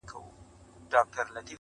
مخ ځيني اړومه.